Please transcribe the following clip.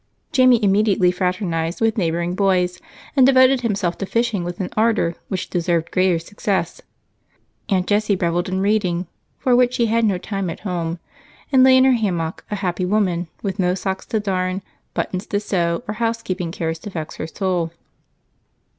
Jamie immediately fraternized with neighboring boys and devoted himself to fishing with an ardor which deserved greater success. Aunt Jessie reveled in reading, for which she had no time at home, and lay in her hammock a happy woman, with no socks to darn, buttons to sew, or housekeeping cares to vex her soul.